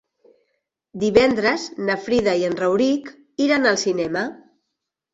Divendres na Frida i en Rauric iran al cinema.